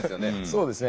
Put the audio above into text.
そうですね。